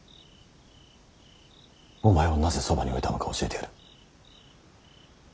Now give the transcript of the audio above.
お前をなぜそばに置いたのか教えてやる。